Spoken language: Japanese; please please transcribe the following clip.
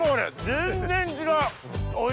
全然違う！